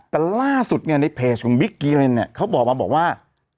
แต่ล่าสุดเนี่ยในเพจของบิ๊กกีเรนเนี่ยเขาบอกมาบอกว่า